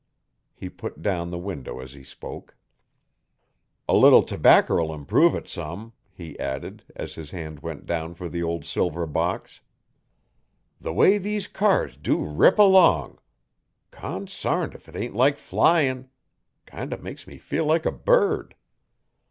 He put down the window as he spoke. 'A leetle tobaccer'll improve it some,' he added, as his hand went down for the old silver box. 'The way these cars dew rip along! Consarned if it ain't like flyin'! Kind o' makes me feel like a bird.'